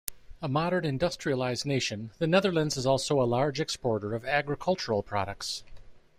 A modern, industrialised nation, the Netherlands is also a large exporter of agricultural products.